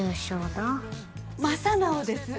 正直です。